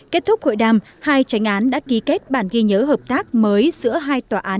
kết thúc hội đàm hai tranh án đã ký kết bản ghi nhớ hợp tác mới giữa hai tòa án